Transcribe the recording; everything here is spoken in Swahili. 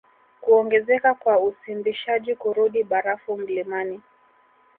Kuongezeka kwa usimbishaji kurudi barafu mlimani